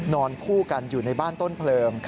คู่กันอยู่ในบ้านต้นเพลิง